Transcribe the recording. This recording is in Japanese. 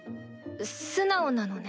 素直なのね。